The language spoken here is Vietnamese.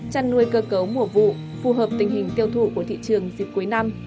chăn nuôi cơ cấu mùa vụ phù hợp tình hình tiêu thụ của thị trường dịp cuối năm